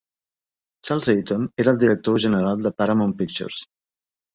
Charles Eyton era el director general de Paramount Pictures.